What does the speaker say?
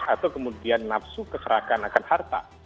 atau kemudian nafsu keserakan akan harta